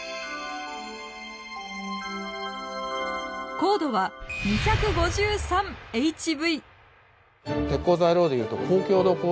硬度は２５３ＨＶ！